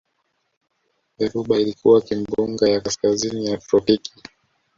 Dhoruba ilikuwa kimbunga ya kaskazini ya kitropiki